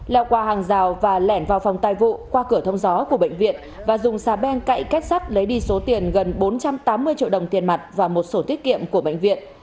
leo qua hàng rào và lẻn vào phòng tài vụ qua cửa thông gió của bệnh viện và dùng xà beng cậy kết sắt lấy đi số tiền gần bốn trăm tám mươi triệu đồng tiền mặt và một sổ tiết kiệm của bệnh viện